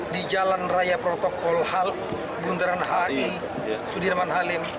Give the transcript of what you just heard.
di jalan raya protokol hal bundaran hi sudirman halim